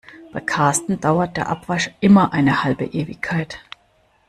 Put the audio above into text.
Bei Karsten dauert der Abwasch immer eine halbe Ewigkeit.